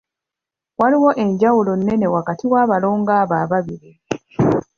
Waliwo enjawulo nnene wakati w'abalongo abo ababiri.